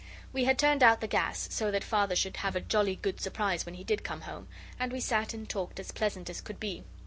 We had turned out the gas, so that Father should have a jolly good surprise when he did come home, and we sat and talked as pleasant as could be.